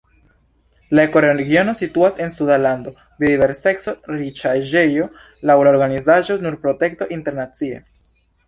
La ekoregiono situas en Sunda Lando, biodiverseco-riĉaĵejo laŭ la organizaĵo Naturprotekto Internacie.